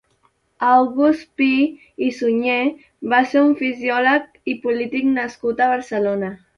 August Pi i Sunyer va ser un fisiòleg i polític nascut a Barcelona.